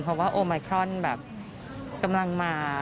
เพราะว่าโอไมครอนแบบกำลังมา